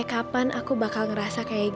iya pak makasih ya